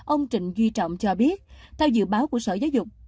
ông trịnh duy trọng cho biết theo dự báo của sở giáo dục